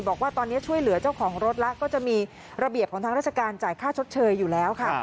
บอกว่าตอนนี้ช่วยเหลือเจ้าของรถแล้วก็จะมีระเบียบของทางราชการจ่ายค่าชดเชยอยู่แล้วค่ะ